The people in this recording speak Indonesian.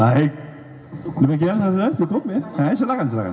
baik demikian hasilnya cukup ya silahkan silahkan